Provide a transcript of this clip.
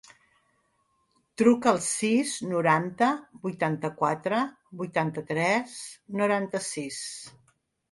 Truca al sis, noranta, vuitanta-quatre, vuitanta-tres, noranta-sis.